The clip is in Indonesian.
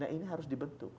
nah ini harus dibentuk